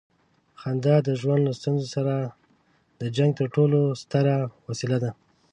خندا د ژوند له ستونزو سره د جنګ تر ټولو ستره وسیله ده.